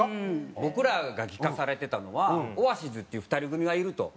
僕らが聞かされてたのはオアシズっていう２人組がいると。